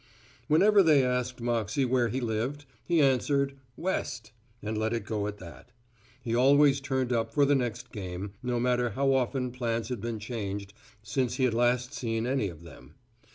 Whenever they asked Moxey where he lived, he answered, "West," and let it go at that. He always turned up for the next game, no matter how often plans had been changed since he had last seen any of them.